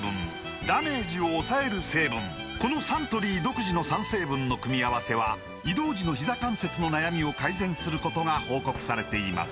このサントリー独自の３成分の組み合わせは移動時のひざ関節の悩みを改善することが報告されています